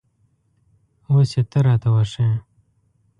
اوس یې ته را ته وښیه